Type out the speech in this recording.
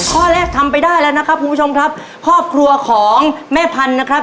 ข้อแรกทำไปได้แล้วนะครับผู้ชมครับ